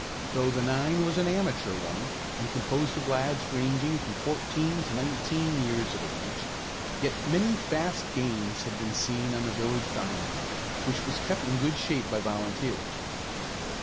Though the nine was an amateur one, and composed of lads ranging from fourteen to nineteen years of age, yet many fast games had been seen on the village diamond, which was kept in good shape by volunteers.